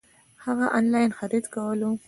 هغه انلاين خريد کولو